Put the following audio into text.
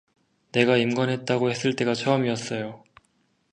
내가 임관됐다고 했을 때가 처음이었어요.